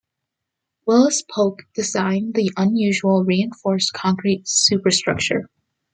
Willis Polk designed the unusual reinforced concrete superstructure.